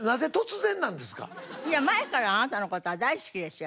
いや前からあなたの事は大好きですよ